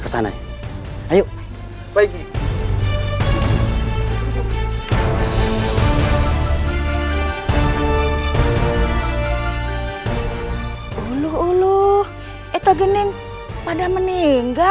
jika kau melakukannya kamu selesai mampu melamukannya